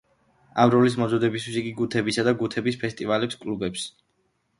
ამ როლის მომზადებისთვის, იგი გუთებისა და გუთების ფესტივალების კლუბებს სტუმრობდა.